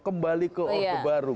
kembali ke orde baru